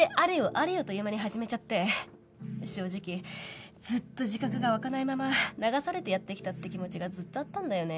あれよという間に始めちゃって正直ずっと自覚が湧かないまま流されてやってきたって気持ちがずっとあったんだよね。